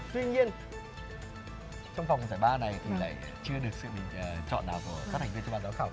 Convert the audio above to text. tuy nhiên trong vòng giải ba này thì lại chưa được sự bình chọn nào của các thành viên trong ban giáo khảo